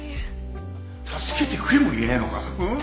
助けてくれも言えねえのかん？